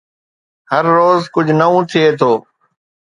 هر روز ڪجهه نئون ٿئي ٿو